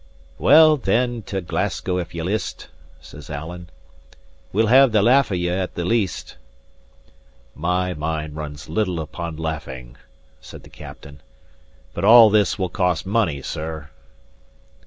"Well, then, to Glasgow if ye list!" says Alan. "We'll have the laugh of ye at the least." "My mind runs little upon laughing," said the captain. "But all this will cost money, sir."